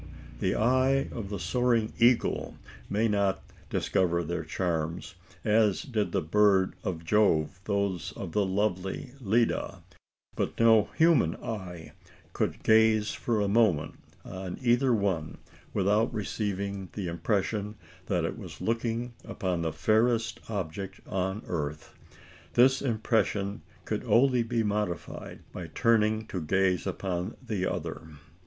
The eye of the soaring eagle may not discover their charms as did the bird of Jove those of the lovely Leda but no human eye could gaze for a moment on either one, without receiving the impression that it was looking upon the fairest object on earth. This impression could only be modified, by turning to gaze upon the other.